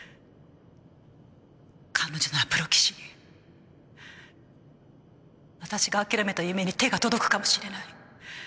彼女ならプロ棋士に私が諦めた夢に手が届くかもしれない。